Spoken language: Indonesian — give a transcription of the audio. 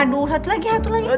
aduh satu lagi satu lagi